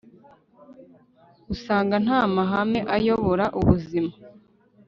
usanga nta mahame ayobora ubuzima